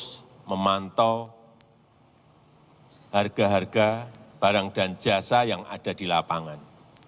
terus memantau harga harga barang dan jasa yang ada di lapangan